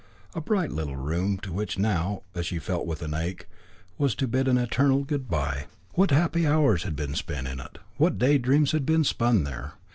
A bright little room to which now, as she felt with an ache, she was to bid an eternal good bye! What happy hours had been spent in it! What day dreams had been spun there!